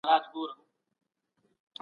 که ته وغواړې نو زه به درته کتاب راوړم.